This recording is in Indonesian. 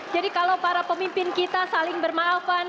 jadi kalau para pemimpin kita saling bermaafkan